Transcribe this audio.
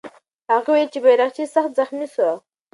هغه وویل چې بیرغچی سخت زخمي سو.